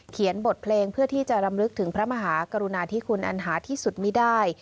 บทเพลงเพื่อที่จะรำลึกถึงพระมหากรุณาธิคุณอันหาที่สุดไม่ได้